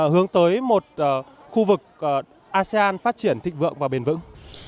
hướng tới một khu vực asean phát triển thịnh vượng và bền vững